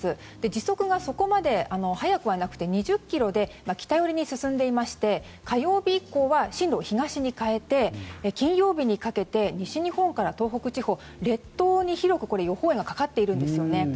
時速がそこまで速くはなくて２０キロで北寄りに進んでいまして火曜日以降は進路を東に変えて金曜日にかけて西日本から東北地方列島に広く予報円がかかっているんですよね。